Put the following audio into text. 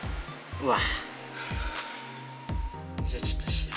うわ。